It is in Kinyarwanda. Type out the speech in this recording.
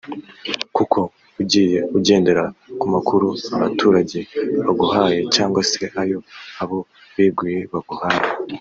Kuko ugiye ugendera ku makuru abaturage baguhaye cyangwa se ayo abo beguye baguhaye